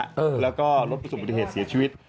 ไปตรงโค้งมรณะแล้วก็รถประสบุติเหตุเสียชีวิต